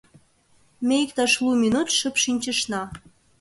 Ме иктаж лу минут шып шинчышна.